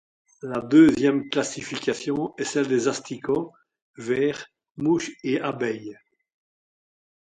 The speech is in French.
La deuxième classification est celle des asticots, vers, mouches et abeilles.